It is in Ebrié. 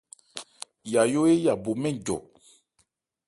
Yajó éya bo mɛ́n njɔ.